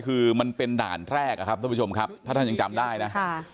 คือมันเป็นด่านแรกนะครับท่านผู้ชมครับถ้าท่านยังจำได้นะ